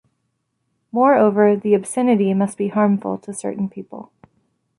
Moreover, the obscenity must be harmful to certain people.